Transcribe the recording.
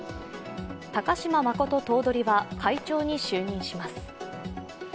高島誠頭取は会長に就任します。